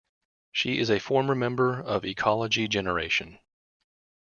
She is a former member of Ecology Generation.